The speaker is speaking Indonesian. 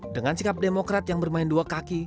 dengan sikap demokrat yang bermain dua kaki